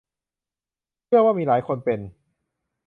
เชื่อว่ามีหลายคนเป็น